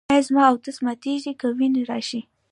ایا زما اودس ماتیږي که وینه راشي؟